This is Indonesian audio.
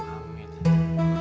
nggak nggak bisa jadi seperti kamu